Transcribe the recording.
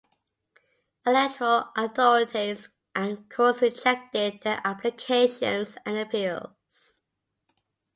Electoral authorities and courts rejected their applications and appeals.